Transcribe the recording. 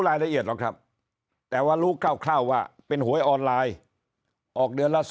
รายละเอียดหรอกครับแต่ว่ารู้คร่าวว่าเป็นหวยออนไลน์ออกเดือนละ